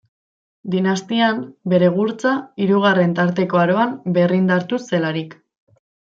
Dinastian, bere gurtza, hirugarren tarteko aroan berrindartu zelarik.